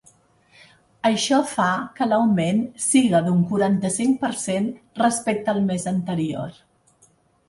Això fa que l’augment siga d’un quaranta-cinc per cent respecte al mes anterior.